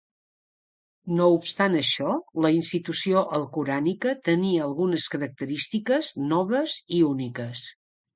No obstant això, la institució alcorànica tenia algunes característiques noves i úniques.